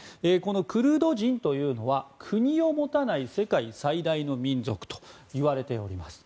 クルド人というのは国を持たない最大の民族と言われております。